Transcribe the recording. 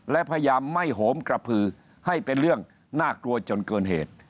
และพยายามไม่โหมกระพือให้เป็นเรื่องน่ากลัวจนเกินเหตุ